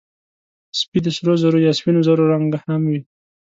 سپي د سرو زرو یا سپینو رنګه هم وي.